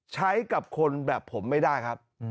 ใช้กับคนแบบผมไม่ได้ครับ